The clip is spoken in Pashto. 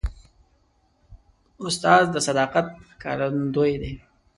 استاد د صداقت ښکارندوی دی.